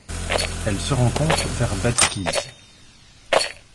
Elle se rencontre vers Badkhyz.